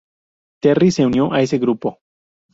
Terry se unió a ese grupo.